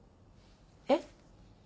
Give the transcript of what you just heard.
えっ？